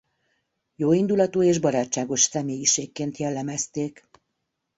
Jóindulatú és barátságos személyiségként jellemezték.